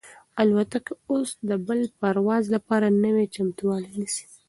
الوتکه اوس د بل پرواز لپاره نوی چمتووالی نیسي.